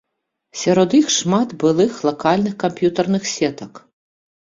Сярод іх шмат былых лакальных камп'ютарных сетак.